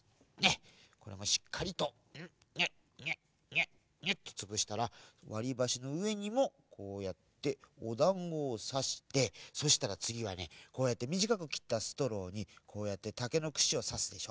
しっかりとギュッギュッギュッギュッギュッとつぶしたらわりばしのうえにもこうやっておだんごをさしてそしたらつぎはねこうやってみじかくきったストローにこうやってたけのくしをさすでしょ。